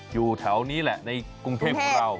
อยู่แถวนี้แหละในกรุงเทพของเรา